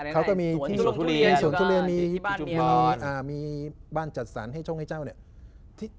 เขาก็มีที่สวนทุเรียนมีบ้านจัดสรรให้ช่องให้เจ้าเนี่ย